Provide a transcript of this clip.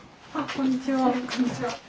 こんにちは。